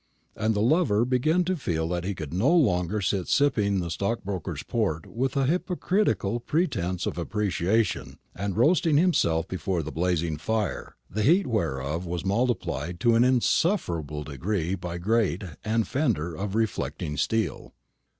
And the lover began to feel that he could no longer sit sipping the stockbroker's port with a hypocritical pretence of appreciation, and roasting himself before the blazing fire, the heat whereof was multiplied to an insufferable degree by grate and fender of reflecting steel.